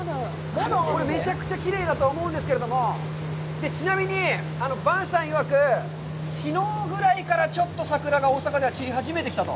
めちゃくちゃきれいだと思うんですけれども、ちなみに、伴さんいわくきのうぐらいからちょっと桜が大阪では散り始めてきたと。